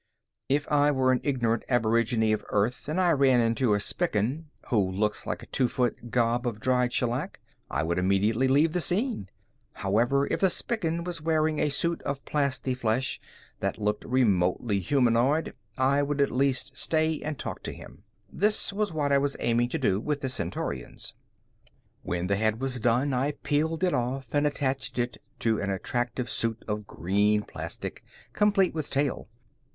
If I were an ignorant aborigine of Earth and I ran into a Spican, who looks like a two foot gob of dried shellac, I would immediately leave the scene. However, if the Spican was wearing a suit of plastiflesh that looked remotely humanoid, I would at least stay and talk to him. This was what I was aiming to do with the Centaurians. When the head was done, I peeled it off and attached it to an attractive suit of green plastic, complete with tail.